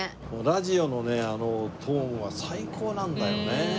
ラジオのねあのトーンは最高なんだよね。